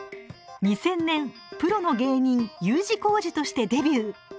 ２０００年プロの芸人「Ｕ字工事」としてデビュー。